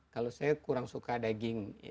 kalau saya kurang suka daging